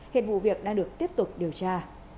hiện vụ việc đang được tiếp tục điều tra